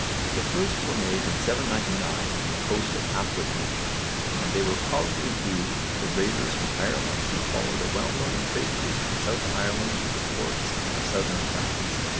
The first were made in 799 on the coast of Aquitaine and they were probably due to raiders from Ireland who followed a well known trade route from South Ireland to the ports of Southern France.